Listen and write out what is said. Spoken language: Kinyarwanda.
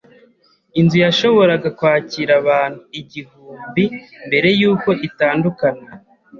Inzu yashoboraga kwakira abantu igihumbi mbere yuko itandukana.